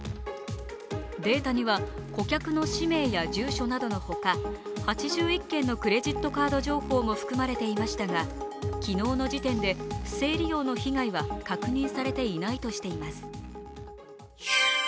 データには顧客の氏名や住所などのほか８１件のクレジットカード情報も含まれていましたが、昨日の時点で不正利用の被害は確認されていないとしています。